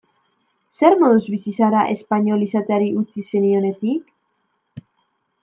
Zer moduz bizi zara espainol izateari utzi zenionetik?